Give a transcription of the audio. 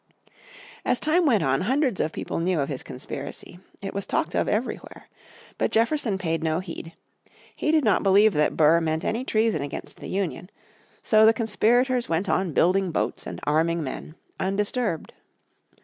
As time went on hundreds of people knew of his conspiracy. It was talked of everywhere. But Jefferson paid no heed. He did not believe that Burr meant any treason against the Union. So the conspirators went on building boats, and arming men, undisturbed.